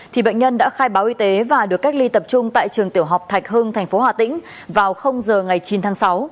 thì bệnh nhân đã khai báo y tế và được cách ly tập trung tại trường tiểu học thạch hưng tp hà tĩnh vào giờ ngày chín tháng sáu